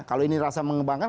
kalau ini rasa mengembangkan